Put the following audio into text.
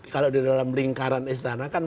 kalau di dalam lingkaran istana kan